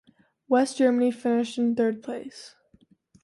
West Germany finished in third place.